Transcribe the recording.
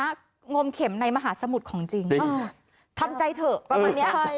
อันนี้งมเข็มในมหาสมุดของจริงทำใจเถอะประมาณนี้